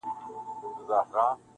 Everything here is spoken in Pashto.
پرې را تاو یې کړه د ناز لاسونه دواړه-